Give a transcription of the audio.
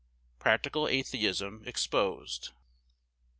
Practical atheism exposed.